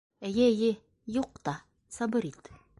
Эйе-эйе... юҡ та... сабыр ит...